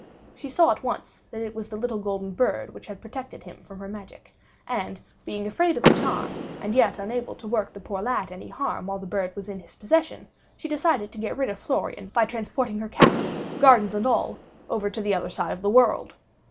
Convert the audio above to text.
She saw at once that it was the little golden bird which had protected him from her magic; and being afraid of the charm and yet unable to work the poor lad any harm while the bird was in his possession, she decided to rid herself of Florian by transporting her castle, gardens and all, over to the other side of the world.